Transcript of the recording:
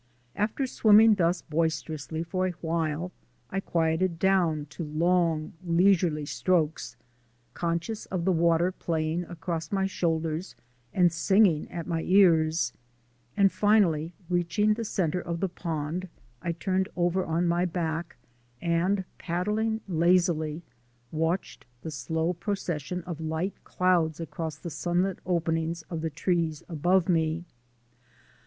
After swimming thus boisterously for a time, I quieted down to long, leisurely strokes, conscious of the water playing across my shoulders and singing at my ears, and finally, reaching the centre of the pond, I turned over on my back and, paddling lazily, watched the slow procession of light clouds across the sunlit openings of the trees above me.